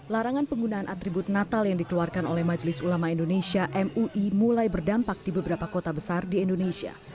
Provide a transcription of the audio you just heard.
larangan penggunaan atribut natal yang dikeluarkan oleh majelis ulama indonesia mui mulai berdampak di beberapa kota besar di indonesia